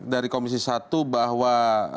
dari komisi satu bahwa